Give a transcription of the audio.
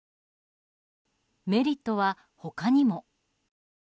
メリットは、他にも。